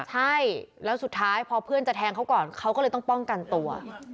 ใช่แล้วสุดท้ายพอเพื่อนจะแทงเขาก่อนเขาก็เลยต้องป้องกันตัว